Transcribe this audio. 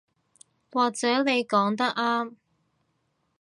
或者你講得啱